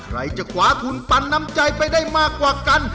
ใครจะขวาทุนปันน้ำใจไปได้มากกว่ากัน